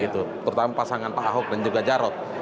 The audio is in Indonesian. terutama pasangan pak ahok dan juga jarot